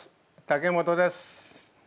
竹本です。